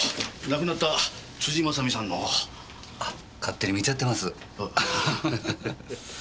亡くなった辻正巳さんの。あっ勝手に見ちゃってます。